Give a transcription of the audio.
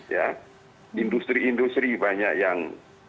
ya industri industri banyak yang